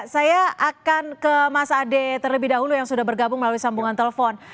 saya akan ke mas ade terlebih dahulu yang sudah bergabung melalui sambungan telepon